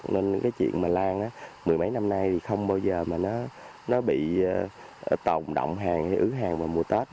nên cái chuyện mà lan á mười mấy năm nay thì không bao giờ mà nó bị tồn động hàng hay ứ hàng vào mùa tết